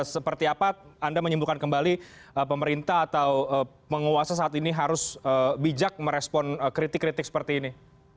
seperti apa anda menyembuhkan kembali pemerintah atau penguasa saat ini harus bijak merespon kritik kritik seperti ini